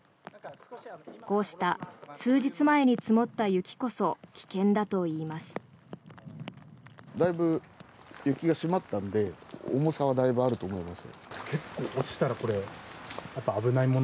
こうした数日前に積もった雪こそ危険だといいます。